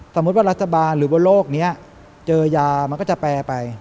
สมมุติว่ารัฐบาลหรือว่าโรคนี้เจอยามันก็จะแปลไป